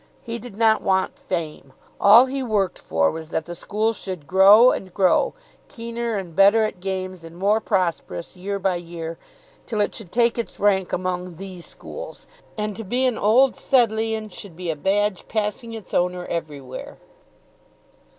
He did not want fame. All he worked for was that the school should grow and grow, keener and better at games and more prosperous year by year, till it should take its rank among the schools, and to be an Old Sedleighan should be a badge passing its owner everywhere.